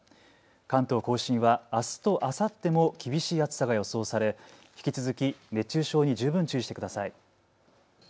関東甲信はあすとあさっても厳しい暑さが予想され引き続き熱中症に十分注意してください。